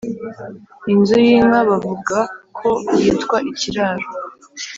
Inzu y’Inka bavugako yitwa Ikiraro